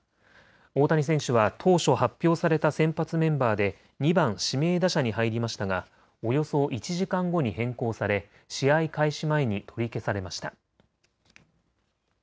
大谷選手は当初、発表された先発メンバーで２番・指名打者に入りましたがおよそ１時間後に変更され試合開始前に取り消されました。